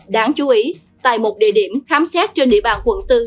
đáng chú ý tại một địa điểm khám xét trên địa bàn quận bốn